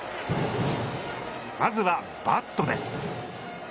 まずはバットで。